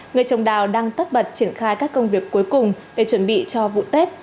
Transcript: người trồng đào đang tất bật triển khai các công việc cuối cùng để chuẩn bị cho vụ tết